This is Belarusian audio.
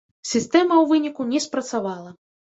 Сістэма ў выніку не спрацавала.